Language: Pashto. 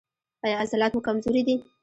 ایا عضلات مو کمزوري دي؟